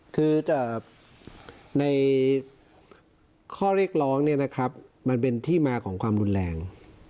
คือแต่ในข้อเรียกร้องเนี่ยนะครับมันเป็นที่มาของความรุนแรง